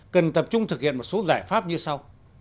cần tập trung thực hiện một số giải pháp như sau